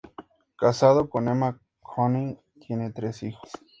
Casado con Emma König, tiene tres hijos.